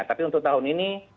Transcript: tapi untuk tahun ini